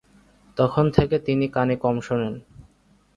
তখন থেকে তিনি কানে কম শোনেন।